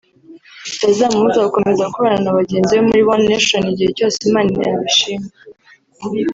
bitazamubuza gukomeza gukorana na bagenzi be muri One Nation igihe cyose Imana yabishima